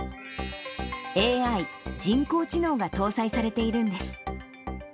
ＡＩ・人工知能が搭載されているんです。